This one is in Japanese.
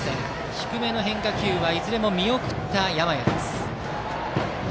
低めの変化球はいずれも見送った山家です。